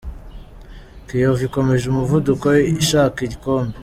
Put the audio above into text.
Kiyovu ikomeje umuvuduko ishaka igikombe